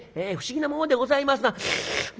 不思議なものでございますな」。